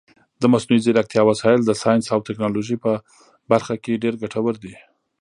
د مصنوعي ځیرکتیا وسایل د ساینس او ټکنالوژۍ په برخه کې ډېر ګټور دي.